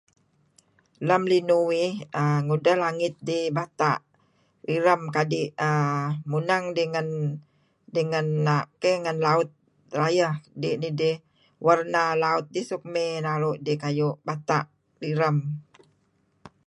Lem linuh uih ngudeh langit dih bata'... direm. Kadi' errr... muneng dih ngen... dih ngen , ngen laut rayeh keyh. Dih nidih, warna laut sukmey naru' dih kayu' bata' direm.